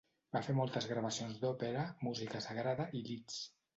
Va fer moltes gravacions d'òpera, música sagrada i lieds.